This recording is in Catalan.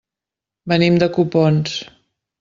Venim de Copons.